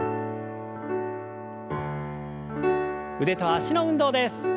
腕と脚の運動です。